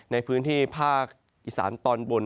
ในพื้นที่ภาคอีสานตอนบน